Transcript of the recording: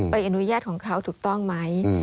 อนุญาตของเขาถูกต้องไหม